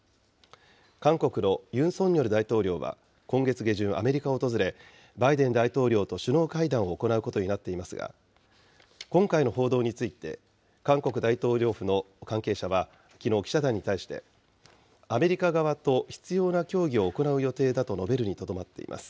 韓国のユン・ソンニョル大統領は今月下旬、アメリカを訪れ、バイデン大統領と首脳会談を行うことになっていますが、今回の報道について、韓国大統領府の関係者は、きのう記者団に対して、アメリカ側と必要な協議を行う予定だと述べるにとどまっています。